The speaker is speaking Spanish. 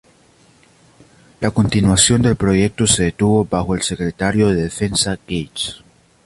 La continuación del proyecto se detuvo bajo el Secretario de Defensa Gates.